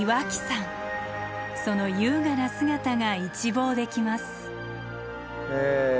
その優雅な姿が一望できます。